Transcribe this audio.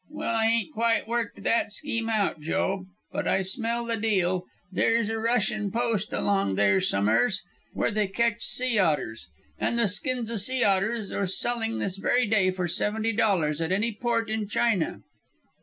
"Well, I ain't quite worked that scheme out, Joe. But I smell the deal. There's a Russian post along there some'eres. Where they catch sea otters. And the skins o' sea otters are selling this very day for seventy dollars at any port in China."